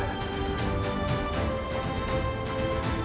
ikut denganku ke istana pak jajah